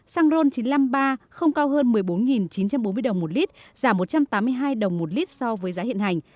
xăng ron chín trăm năm mươi ba không cao hơn một mươi bốn chín trăm bốn mươi đồng một lít giảm một trăm tám mươi hai đồng một lít so với giá hiện hành